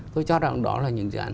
tôi cho rằng đó là những dự án